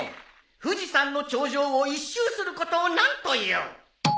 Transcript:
富士山の頂上を１周することを何と言う？